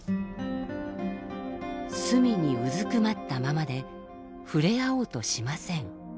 隅にうずくまったままで触れ合おうとしません。